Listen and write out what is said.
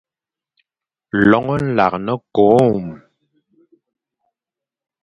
Loñ nlakh ne-koom.